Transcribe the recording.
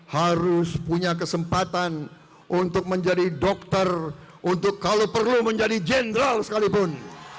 harus punya kesempatan untuk menjadi dokter untuk kalau perlu menjadi jenderal sekalipun